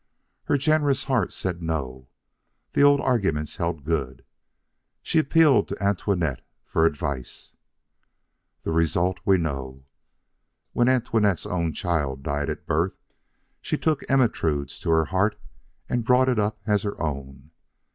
Her generous heart said No. The old arguments held good. She appealed to Antoinette for advice. The result we know. When Antoinette's own child died at birth, she took Ermentrude's to her heart and brought it up as her own.